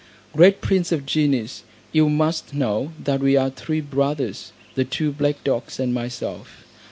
Great prince of genies, you must know that we are three brothers, the two black dogs and myself.